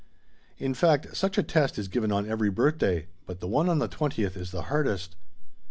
In fact, such a test is given on every birthday, but the one on the twentieth is the hardest.